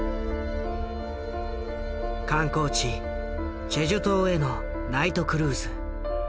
観光地チェジュ島へのナイトクルーズ。